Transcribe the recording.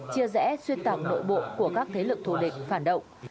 chia rẽ xuyên tạm nội bộ của các thế lực thủ địch phản động